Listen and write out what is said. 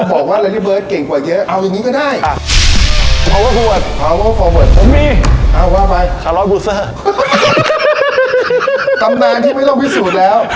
เฟอร์เบิร์ดมีอ้าวว่าไปคาลอลบูซเซอร์ตำนานที่ไม่รองพิสูจน์แล้ว